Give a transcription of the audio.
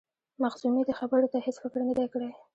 مخزومي دې خبرې ته هیڅ فکر نه دی کړی.